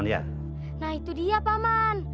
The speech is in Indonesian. nah itu dia paman